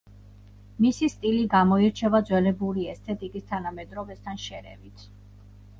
მისი სტილი გამოირჩევა ძველებური ესთეტიკის თანამედროვესთან შერევით.